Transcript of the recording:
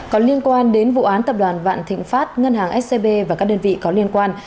có liên quan đến vụ án tập đoàn vạn thịnh pháp ngân hàng scb và các đơn vị có liên quan